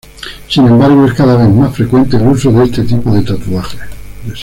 Sin embargo, es cada vez más frecuente el uso de este tipo de tatuajes.